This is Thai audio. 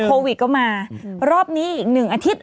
โควิดก็มารอบนี้อีกหนึ่งอาทิตย์